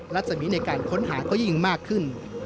ลักษณะนี้ในการค้นหาก็ยิ่งมากขึ้น